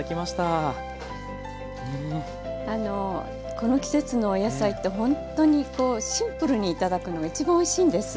あのこの季節のお野菜ってほんっとにこうシンプルに頂くのがいちばんおいしいんです。